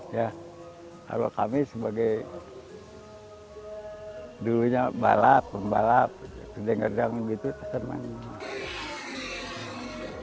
ya kalau kami sebagai dulunya balap pembalap terdengar dengar gitu kesan manis